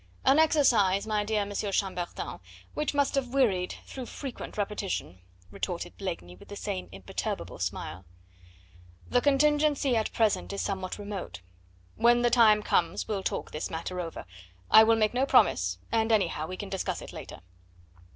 "An exercise, my dear M. Chambertin, which must have wearied through frequent repetition," retorted Blakeney with the same imperturbable smile. "The contingency at present is somewhat remote; when the time comes we'll talk this matter over.... I will make no promise... and, anyhow, we can discuss it later."